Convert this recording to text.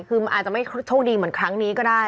คือมันอาจจะไม่โชคดีเหมือนครั้งนี้ก็ได้